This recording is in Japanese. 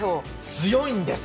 強いんです！